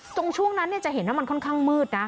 ช่วงนั้นจะเห็นว่ามันค่อนข้างมืดนะ